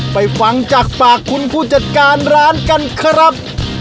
ไปฟังจากปากคุณผู้จัดการร้านกันครับ